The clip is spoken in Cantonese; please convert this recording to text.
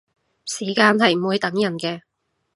時間係唔會等人嘅